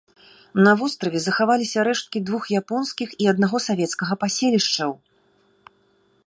На востраве захаваліся рэшткі двух японскіх і аднаго савецкага паселішчаў.